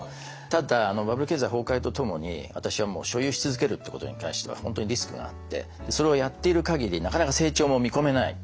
ただバブル経済崩壊とともに私は所有し続けるってことに関しては本当にリスクがあってそれをやっている限りなかなか成長も見込めない。